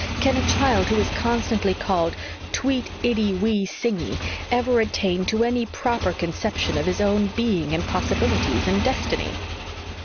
Can a child who is constantly called 'tweet itty wee singie' ever attain to any proper conception of his own being and possibilities and destiny?"